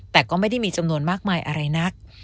แต่ก็ไม่ได้มีจำนวนมากมายอะไรนัก